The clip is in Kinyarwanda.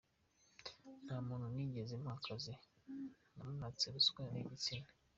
Nta muntu nigeze mpa akazi namwatse ruswa y’igitsina.